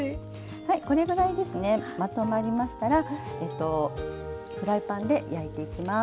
はいこれぐらいですねまとまりましたらフライパンで焼いていきます。